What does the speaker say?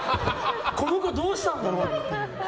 この子どうしたんだろう？って。